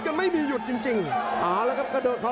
พวกนี้จับสายอย่างทุกคน